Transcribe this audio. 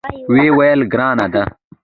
ویې ویل: ګرانه ده.